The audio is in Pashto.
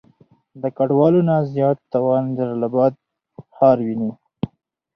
د ګډوالو نه زيات تاوان جلال آباد ښار وينئ.